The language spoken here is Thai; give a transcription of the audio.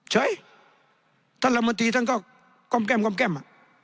เฉยท่านละมนตรีท่านก็ก้มแก้มก้มแก้มอ่ะ